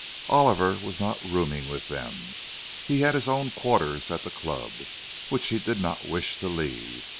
Oliver was not rooming with them; he had his own quarters at the club, which he did not wish to leave.